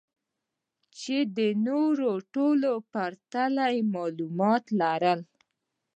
چې د نورو ټولو په پرتله يې معلومات لرل.